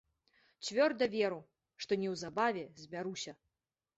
Цвёрда веру, што неўзабаве збяруся.